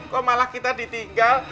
kok malah kita ditinggal